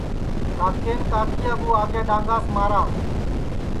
کاکین کاکِیا کُو آگے ڈؔانگاس مارا